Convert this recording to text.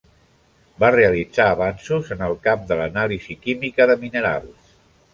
Va realitzar avanços en el camp de l'anàlisi química de minerals.